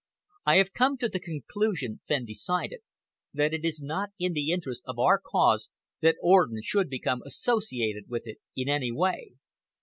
"I have come to the conclusion," Fenn decided, "that it is not in the interests of our cause that Orden should become associated with it in any way."